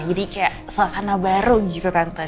jadi kayak suasana baru gitu tante